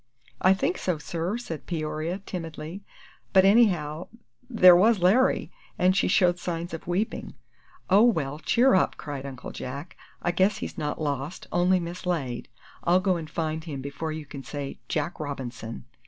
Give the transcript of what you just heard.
"I think so, sir," said Peoria, timidly; "but, anyhow, there was Larry;" and she showed signs of weeping. "Oh, well, cheer up!" cried Uncle Jack. "I guess he's not lost only mislaid. I'll go and find him before you can say Jack Robinson!"